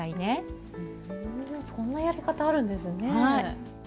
こんなやり方あるんですね。